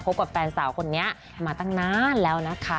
กับแฟนสาวคนนี้มาตั้งนานแล้วนะคะ